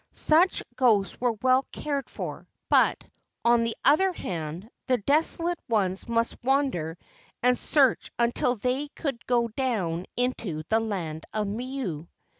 Such ghosts were well cared for, but, on the other hand, the desolate ones must wander and search until they could go down into the land of Milu.